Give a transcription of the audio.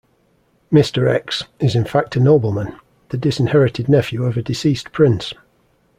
"Mister X" is in fact a nobleman, the disinherited nephew of a deceased prince.